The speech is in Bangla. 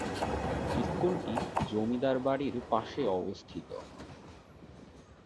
স্কুলটি জমিদার বাড়ির পাশেই অবস্থিত।